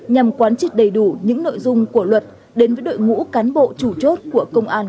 nhằm quán triệt đầy đủ những nội dung của luật đến với đội ngũ cán bộ chủ chốt của công an